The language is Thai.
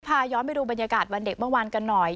พาย้อนไปดูบรรยากาศวันเด็กเมื่อวานกันหน่อย